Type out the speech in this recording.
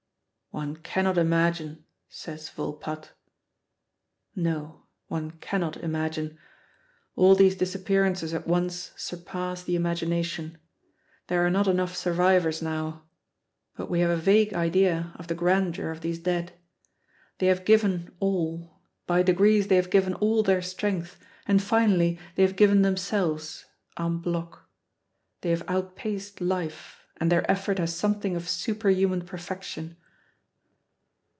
"One cannot imagine " says Volpatte. No, one cannot imagine. All these disappearances at once surpass the imagination. There are not enough survivors now. But we have vague idea of the grandeur of these dead. They have given all; by degrees they have given all their strength, and finally they have given themselves, en bloc. They have outpaced life, and their effort has something of superhuman perfection.